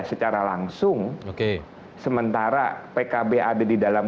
secara langsung sementara pkb ada di dalam